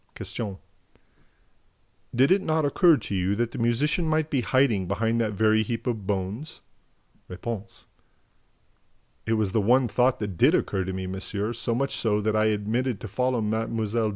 Q. "Did it not occur to you that the musician might be hiding behind that very heap of bones?" R. "It was the one thought that did occur to me, monsieur, so much so that I omitted to follow Mlle.